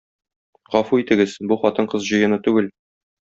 Гафу итегез, бу хатын-кыз җыены түгел.